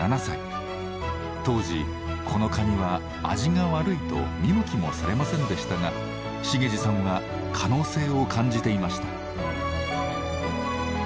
当時このカニは味が悪いと見向きもされませんでしたが茂司さんは可能性を感じていました。